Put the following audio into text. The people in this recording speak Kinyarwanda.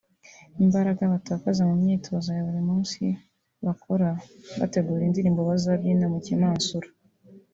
Imbaraga batakaza mu myitozo ya buri munsi bakora bategura indirimbo bazabyina mu kimansuro